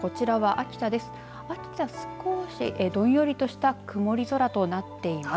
秋田は少しどんよりとした曇り空となっています。